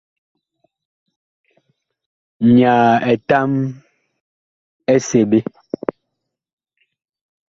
Nyaa etam ɛ seɓe pɛ.